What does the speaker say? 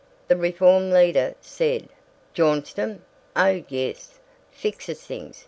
the reform leader said "Bjornstam? Oh yes. Fixes things.